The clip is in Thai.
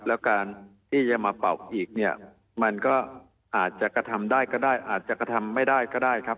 แล้วการที่จะมาเป่าอีกเนี่ยมันก็อาจจะกระทำได้ก็ได้อาจจะกระทำไม่ได้ก็ได้ครับ